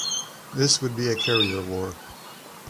This would be a carrier war.